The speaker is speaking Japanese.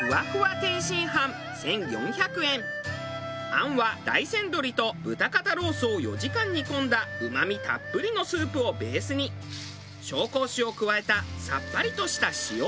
餡は大山鶏と豚肩ロースを４時間煮込んだうまみたっぷりのスープをベースに紹興酒を加えたさっぱりとした塩餡。